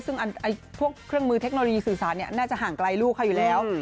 ซึ่งพวกเครื่องมือเทคโนโลยีสื่อสารน่าจะห่างไกลลูกเขาอยู่แล้ว